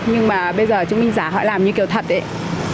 nhưng mà bây giờ chứng minh giả họ làm như kiểu thật đấy